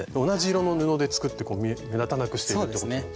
同じ色の布で作って目立たなくしてるってことですね。